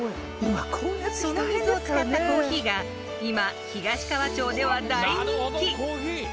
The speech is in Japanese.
その水を使ったコーヒーが今、東川町では大人気！